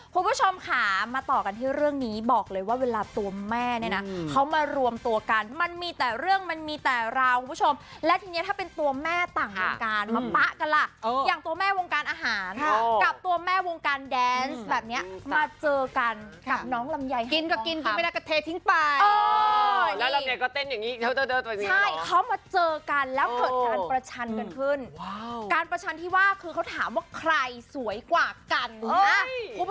คุณผู้ชมค่ะมาต่อกันที่เรื่องนี้บอกเลยว่าเวลาตัวแม่เนี่ยนะเขามารวมตัวกันมันมีแต่เรื่องมันมีแต่ราวคุณผู้ชมและทีเนี่ยถ้าเป็นตัวแม่ต่างวงการมาปะกันล่ะอย่างตัวแม่วงการอาหารกับตัวแม่วงการแดนส์แบบเนี้ยมาเจอกันกับน้องลำไยกินก็กินกินไม่ได้ก็เททิ้งไปอ๋อแล้วลำไยก็เต้นอย่างง